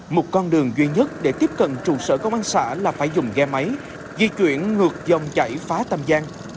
một con đường duy nhất để tiếp cận trụ sở công an xã là phải dùng ghe máy di chuyển ngược dòng chảy phá tâm gian